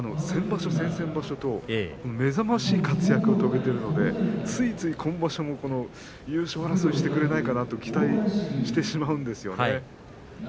先場所、先々場所と目覚ましい活躍を遂げているのでついつい今場所も優勝争いをしてくれないかなと期待してしまうんですよね。